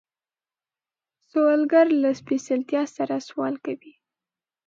سوالګر له سپېڅلتیا سره سوال کوي